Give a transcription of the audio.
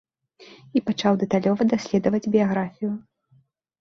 І пачаў дэталёва даследаваць біяграфію.